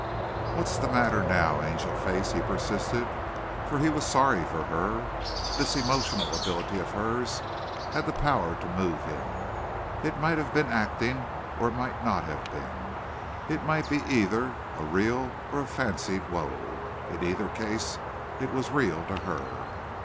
"What's the matter now, Angel face," he persisted, for he was sorry for her. This emotional ability of hers had the power to move him. It might have been acting, or it might not have been. It might be either a real or a fancied woe; in either case it was real to her.